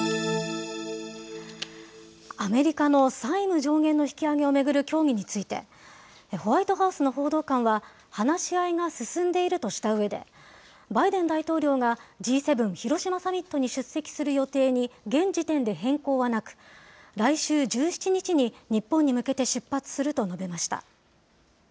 アメリカの債務上限の引き上げを巡る協議について、ホワイトハウスの報道官は、話し合いが進んでいるとしたうえで、バイデン大統領がＧ７広島サミットに出席する予定に現時点で変更はなく、来週１７日に日本に向けて出発すると述べました。